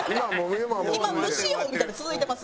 今無視王みたいの続いてます？